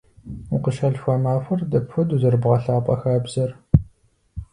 Укъыщалъхуа махуэр дапхуэдэу зэрыбгъэлъапӏэ хабзэр?